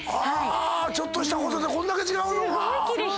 ちょっとしたことでこんだけ違うのか！